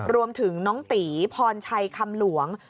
รวมถึงน้องตีพรชัยคำหลวง